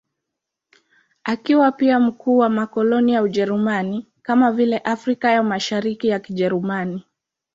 Akiwa pia mkuu wa makoloni ya Ujerumani, kama vile Afrika ya Mashariki ya Kijerumani.